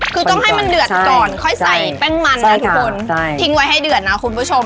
คือต้องให้มันเดือดก่อนค่อยใส่แป้งมันนะทุกคนทิ้งไว้ให้เดือดนะคุณผู้ชม